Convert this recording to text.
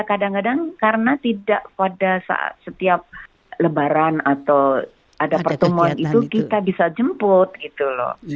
kadang kadang karena tidak pada saat setiap lebaran atau ada pertemuan itu kita bisa jemput gitu loh